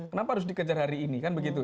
kenapa harus dikejar hari ini kan begitu